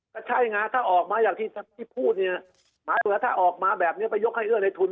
ก็ใช่ไงถ้าออกมาอย่างที่พูดเนี่ยหมายถึงว่าถ้าออกมาแบบนี้ไปยกให้เอื้อในทุน